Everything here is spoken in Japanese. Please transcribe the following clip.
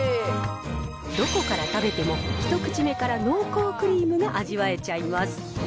どこから食べても、一口目から濃厚クリームが味わえちゃいます。